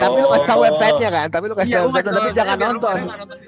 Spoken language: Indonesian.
tapi lu kasih tau websitenya kan tapi lu kasih tau website tapi jangan nonton